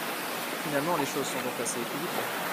Finalement, les choses sont donc assez équilibrées.